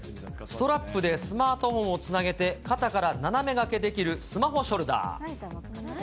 ストラップでスマートフォンをつなげて、肩から斜めがけできるスマホショルダー。